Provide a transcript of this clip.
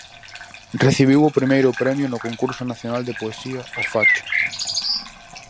Recibiu o primeiro premio no Concurso Nacional de Poesía O Facho.